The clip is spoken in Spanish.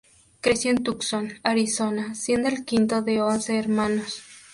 Creció en Tucson, Arizona, siendo el quinto de once hermanos.